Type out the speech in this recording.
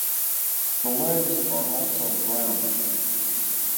The legs are also brownish.